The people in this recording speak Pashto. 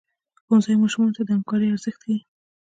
ښوونځی ماشومانو ته د همکارۍ ارزښت ښيي.